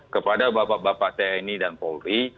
kepada bapak bapak tni dan polri